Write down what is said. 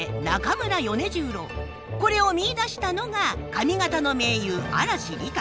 これを見いだしたのが上方の名優嵐璃。